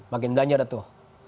bagian belanja dah tuh